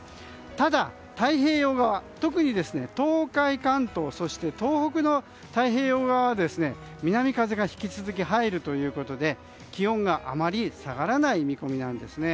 ただ、太平洋側特に東海、関東、東北の太平洋側は南風が引き続き入るということで気温があまり下がらない見込みなんですね。